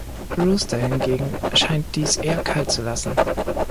Rooster hingegen scheint dies eher kalt zu lassen.